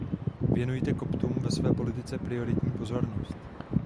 Věnujte Koptům ve své politice prioritní pozornost.